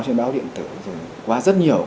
trên báo điện tử rồi qua rất nhiều